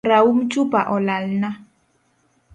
Raum chupa olalna